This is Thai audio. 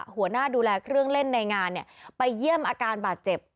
หัวหน้าดูแลเครื่องเล่นในงานไปเยี่ยมอาการบาดเจ็บ